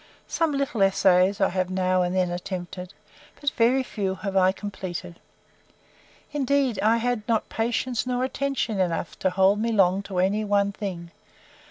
Some little essays I have now and then attempted; but very few have I completed. Indeed I had not patience nor attention enough to hold me long to any one thing.